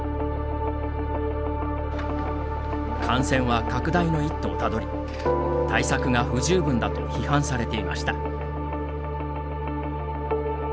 感染は、拡大の一途をたどり対策が不十分だと批判されていました。